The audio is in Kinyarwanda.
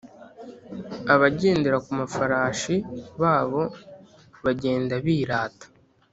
abagendera ku mafarashi babo bagenda bīrāta